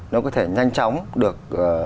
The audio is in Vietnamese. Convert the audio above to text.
nó có thể nhanh chóng được